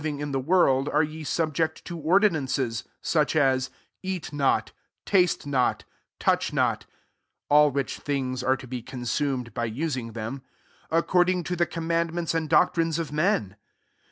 ing in the worW, we ye subject to ordinances ; 21 such aa, •* Eat not, taste not, touch not;"* 22 (all which things are to be con sumed by using t/tem ;) accord ing to the conamandments and doctrines of men